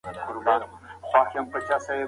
ادئبان کولای سي د ټولني دردونه په کلمو کي بیان کړي.